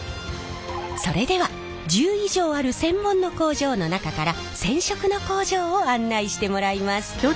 それでは１０以上ある専門の工場の中から染色の工場を案内してもらいます。